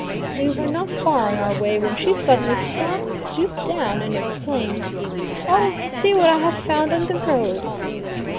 We were not far on our way when she suddenly stopped, stooped down, and exclaimed: "O! see what I have found in the road."